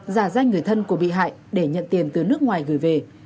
giả danh người thân của bị hại để nhận tiền từ nước ngoài gửi về